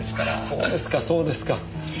そうですかそうですか。